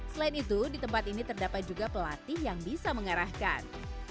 selain itu di tempat ini terdapat juga pelatih yang bisa mengarahkan